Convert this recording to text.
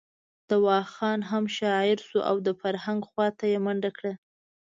دوا خان هم شاعر شو او د فرهنګ خواته یې منډه کړه.